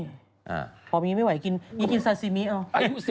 พร้อมอย่างนี้ไม่ไหวกินอยากกินซาซิมิเหรอ